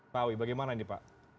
pak awi bagaimana ini pak